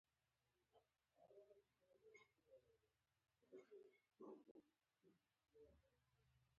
اتیوس د روم امپراتورۍ کورنی او بهرنی سیاست منظم کړ